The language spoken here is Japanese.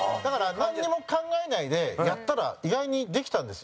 なんにも考えないでやったら意外にできたんですよ。